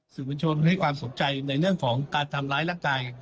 สื่อมวลชนให้ความสนใจในเรื่องของการทำร้ายร่างกาย